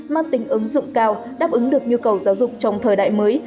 mang tính ứng dụng cao đáp ứng được nhu cầu giáo dục trong thời đại mới